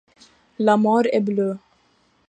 La mort est bleue.